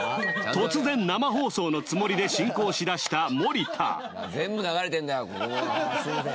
突然生放送のつもりで進行しだした森田すいません